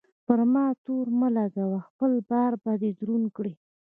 پر ما تور مه لګوه؛ خپل بار به دروند کړې.